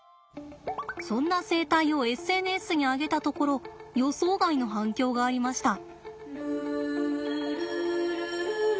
そんな生態をＳＮＳに上げたところ予想外の反響がありました。